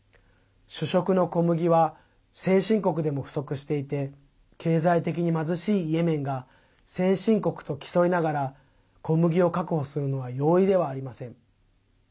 主食の小麦は先進国でも不足していて経済的に貧しいイエメンが先進国と競いながら小麦を確保するのは容易ではありません。